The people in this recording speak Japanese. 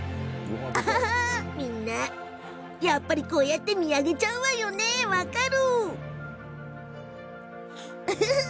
やっぱり、こうやって見上げちゃうわよね分かる。